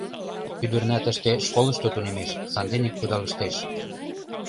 — Ӱдырна тыште школышто тунемеш, сандене кудалыштеш.